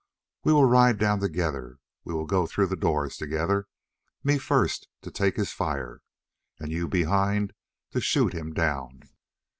We will ride down together. We will go through the doors together me first to take his fire, and you behind to shoot him down."